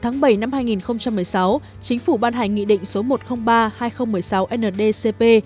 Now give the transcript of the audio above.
ngày bảy hai nghìn một mươi sáu chính phủ ban hành nghị định số một trăm linh ba hai nghìn một mươi sáu ndcp